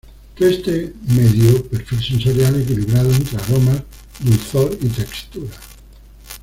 Tueste medio: perfil sensorial equilibrado entre aromas, dulzor y textura.